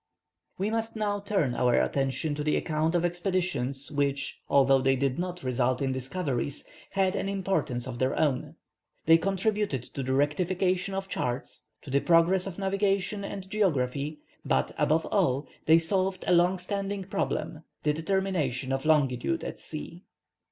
We must now turn our attention to the account of expeditions which, although they did not result in discoveries, had an importance of their own. They contributed to the rectification of charts, to the progress of navigation and geography, but, above all, they solved a long standing problem, the determination of longitude at sea.